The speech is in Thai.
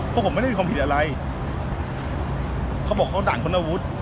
พวกผมไม่ได้มีความผิดอะไรเขาบอกเขาด่านค้นอาวุธ